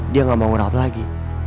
dia gak mau berat lagi